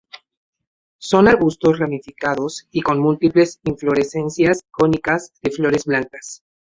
Son arbustos ramificados y con múltiples inflorescencias cónicas de flores blancas.